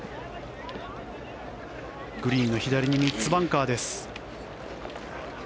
グリーンの左に３つバンカーです。